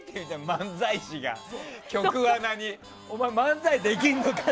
漫才師が局アナにお前、漫才できんのか？